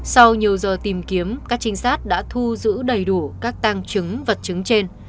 sau nhiều giờ tìm kiếm các trinh sát đã thu giữ đầy đủ các tăng chứng vật chứng trên